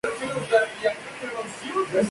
Ambos capturados por Superman e Impulso.